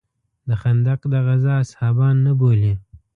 د خندق د غزا اصحابان نه بولې.